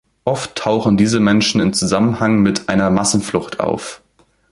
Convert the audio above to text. Oft tauchen diese Menschen im Zusammenhang mit einer Massenflucht auf.